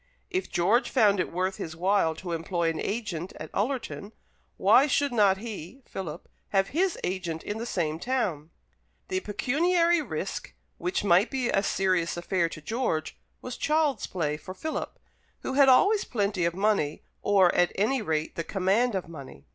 If George found it worth his while to employ an agent at Ullerton, why should not he (Philip) have his agent in the same town? The pecuniary risk, which might be a serious affair to George, was child's play for Philip, who had always plenty of money, or, at any rate, the command of money.